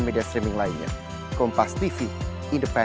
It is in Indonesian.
mereka kpu meminta bantuan kepada saya ketua kpu